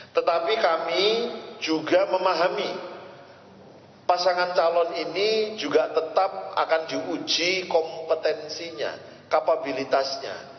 tetapi kami juga memahami pasangan calon ini juga tetap akan diuji kompetensinya kapabilitasnya